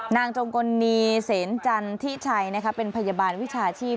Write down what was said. จงกลนีเสนจันทิชัยเป็นพยาบาลวิชาชีพ